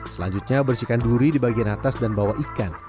selanjutnya bersihkan duri di bagian atas dan bawah ikan